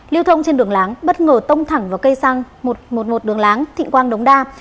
lưu thông trên đường láng bất ngờ tông thẳng vào cây xăng một trăm một mươi một đường láng thịnh quang đống đa